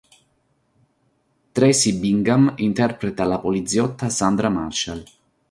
Traci Bingham interpreta la poliziotta Sandra Marshall.